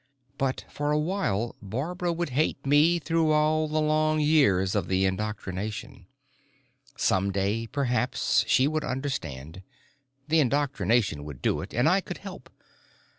But for a while Barbara would hate me through all the long years of the indoctrination. Someday, perhaps, she would understand ... the indoctrination could do it, and I could help.